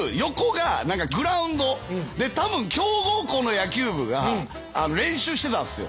たぶん強豪校の野球部が練習してたんすよ。